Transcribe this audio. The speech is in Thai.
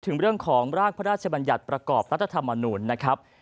ถึงเรื่องของร่างพระราชบัญญัติประกอบรัฐธรรมนูลนะครับ